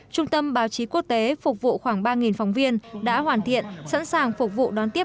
trung tâm báo chí quốc tế phục vụ khoảng ba phóng viên đã hoàn thiện sẵn sàng phục vụ đón tiếp